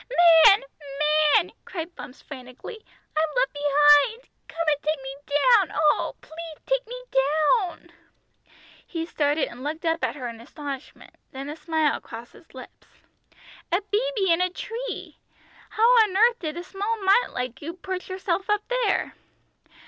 "Man! man!" cried Bumps frantically. "I'm left behind. Come and take me down, oh, pleath take me down!" He started and looked up at her in astonishment, then a smile crossed his lips. "A baby in a tree! How on earth did a small mite like you perch yourself up there?"